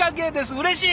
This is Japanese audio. うれしい！